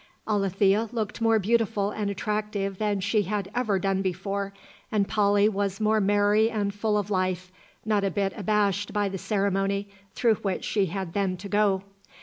Alethea looked more beautiful and attractive than she had ever done before, and Polly was more merry and full of life, not a bit abashed by the ceremony through which she then had to go.